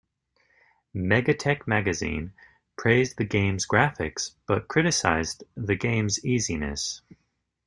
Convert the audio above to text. "MegaTech" magazine praised the game's graphics, but criticized the game's easiness.